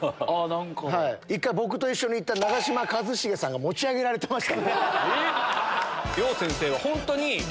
１回、僕と一緒に行った長嶋一茂さんが持ち上げられてました。